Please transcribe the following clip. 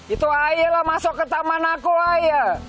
itu ayolah masuk ke taman aku aja